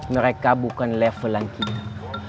mereka bukan levelan kita